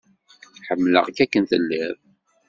Ḥemmleɣ-k akken tellid.